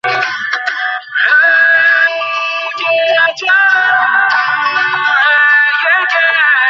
এখন এ সুযোগ সীমিত হওয়ায় তাঁদের এ প্রবণতা বন্ধ হতে পারে।